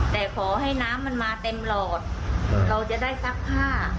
แต่ขอให้น้ำมันมาเต็มหลอดเราจะได้ซักผ้า